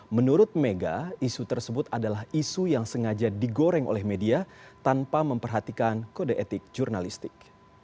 menurut mega isu tersebut adalah isu yang sengaja digoreng oleh media tanpa memperhatikan kode etik jurnalistik